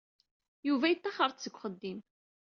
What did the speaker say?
Yuba yettaxer-d seg uxeddim.